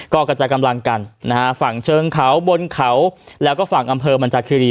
ก็กระจายกำลังกันนะฮะฝั่งเชิงเขาบนเขาแล้วก็ฝั่งอำเภอมันจากคีรี